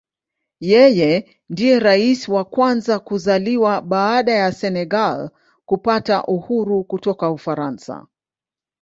Yeye ndiye Rais wa kwanza kuzaliwa baada ya Senegal kupata uhuru kutoka Ufaransa.